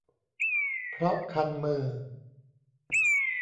เพราะคันมือ